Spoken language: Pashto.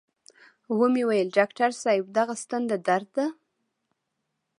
و مې ويل ډاکتر صاحب دغه ستن د درد ده.